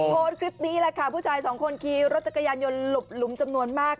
โพสต์คลิปนี้แหละค่ะผู้ชายสองคนขี่รถจักรยานยนต์หลบหลุมจำนวนมาก